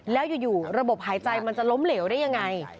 แล้วอยู่ระบบหายใจมันจะล้มเหลวได้ยังไง